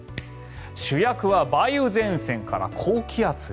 主役は梅雨前線から高気圧へ。